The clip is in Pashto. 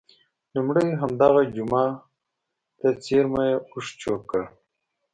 لومړی همدغه جوما ته څېرمه یې اوښ چوک کړ.